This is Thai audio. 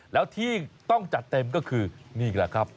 แล้วที่ต้องจัดเต็มก็คือนี่แหละครับ